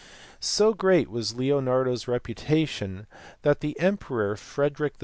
So great was Leonardo s reputation that the emperor Frederick II.